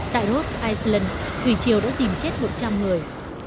tại ross island huyền triều đã dìm chết một trăm linh người